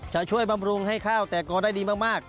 ช่วยบำรุงให้ข้าวแต่กอได้ดีมาก